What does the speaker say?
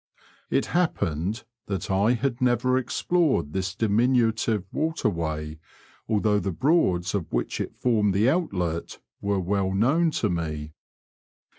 It happened that I had never explored this diminutive waterway, although the Broads of which it formed the outlet were well known to me.